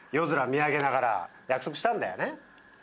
見上げながら約束したんだよね。